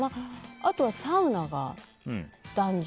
あとはサウナが一緒？